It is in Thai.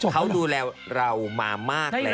เขาดูแลเรามามากแล้ว